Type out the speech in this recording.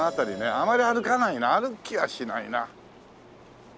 あまり歩かないな歩きはしないな。